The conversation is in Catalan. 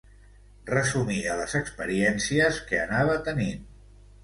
Resumia les experiències que anava tenint.